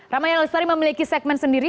ramaya lestari memiliki segmen sendiri